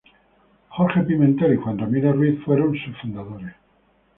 Jorge Pimentel y Juan Ramírez Ruiz fueron sus fundadores.